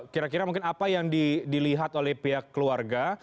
kira kira mungkin apa yang dilihat oleh pihak keluarga